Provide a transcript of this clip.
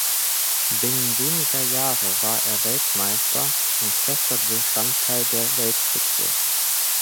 Binnen weniger Jahre war er Weltmeister und fester Bestandteil der Weltspitze.